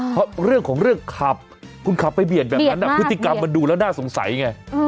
เพราะเรื่องของเรื่องขับคุณขับไปเบียดแบบนั้นพฤติกรรมมันดูแล้วน่าสงสัยไง